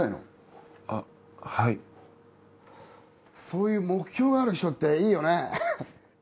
そういう目標がある人っていいよね！